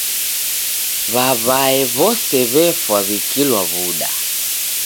W'aw'ae w'ose w'efwa w'ikilwa w'uda.